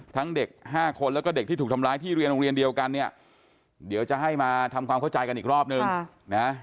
เด็ก๕คนแล้วก็เด็กที่ถูกทำร้ายที่เรียนโรงเรียนเดียวกันเนี่ยเดี๋ยวจะให้มาทำความเข้าใจกันอีกรอบนึงนะ